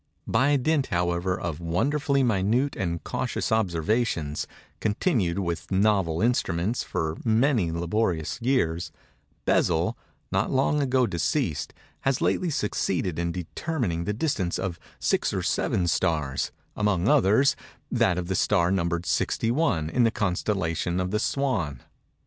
By dint, however, of wonderfully minute and cautious observations, continued, with novel instruments, for many laborious years, Bessel, not long ago deceased, has lately succeeded in determining the distance of six or seven stars; among others, that of the star numbered 61 in the constellation of the Swan.